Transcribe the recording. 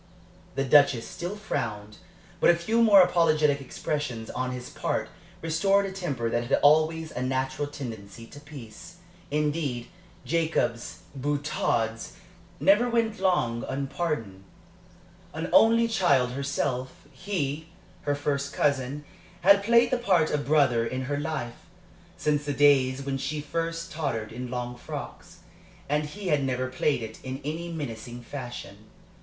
The Duchess still frowned, but a few more apologetic expressions on his part restored a temper that had always a natural tendency to peace. Indeed, Jacob's boutades never went long unpardoned. An only child herself, he, her first cousin, had played the part of brother in her life, since the days when she first tottered in long frocks, and he had never played it in any mincing fashion.